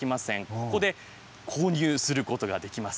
ここで購入することができます。